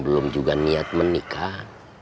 belum juga niat menikah